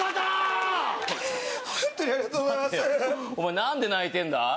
おまえ、何で泣いてるんだ。